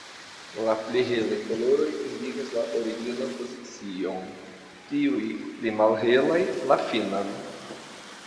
La pli helaj koloroj indikas la originan pozicion, tiuj pli malhelaj la finan.